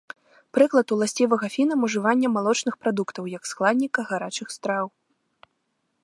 Прыклад уласцівага фінам ўжывання малочных прадуктаў як складніка гарачых страў.